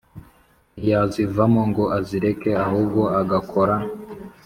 ntiyazivamo ngo azireke ahubwo agakora